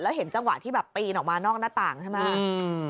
แล้วเห็นจังหวะที่แบบปีนออกมานอกหน้าต่างใช่ไหม